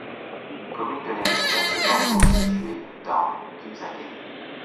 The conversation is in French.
Commune de l'aire urbaine de Bordeaux située dans Cubzaguais.